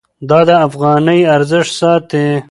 دا د افغانۍ ارزښت ساتي.